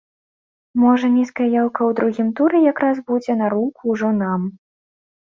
Можа, нізкая яўка ў другім туры якраз будзе на руку ўжо нам.